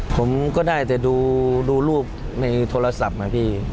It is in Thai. ผมก็ได้แต่ดูรูปในโทรศัพท์นะพี่